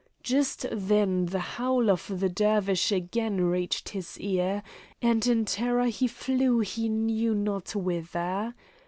Just then the howl of the Dervish again reached his ear, and in terror he flew, he knew not whither.